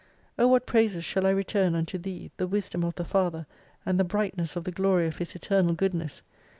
O what praises shall I return unto Thee, the wisdom of the Father, and the brightness of the glory of His Eternal Goodness